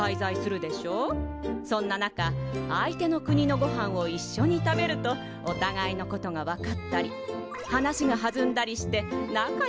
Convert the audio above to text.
そんな中相手の国のごはんをいっしょに食べるとおたがいのことが分かったり話がはずんだりして仲良くなれるの。